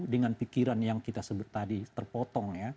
dengan pikiran yang kita sebut tadi terpotong ya